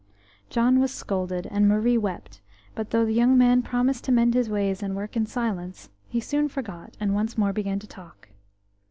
John was scolded, and Marie wept; but though the young man promised to mend his ways and work in silence, he soon forgot, and once more began to talk.